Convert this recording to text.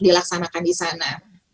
dilaksanakan di sana